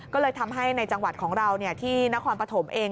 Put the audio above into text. ก็เลยทำให้ในจังหวัดของเราที่นครปฐมเอง